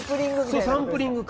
そうサンプリング。